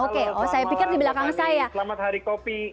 halo selamat malam selamat hari kopi